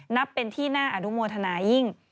นับเป็นที่น่าอนุโมทนายิ่ง